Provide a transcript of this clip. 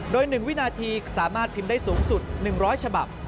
โดย๑วินาทีสามารถพิมพ์ได้สูงสุด๑๐๐ฉบับ